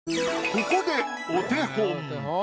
ここでお手本。